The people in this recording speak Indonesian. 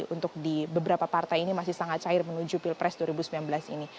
untuk di beberapa partai ini masih sangat cair menuju pilpres dua ribu sembilan belas ini